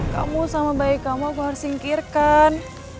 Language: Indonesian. kamu sama bayi kamu harus singkirkan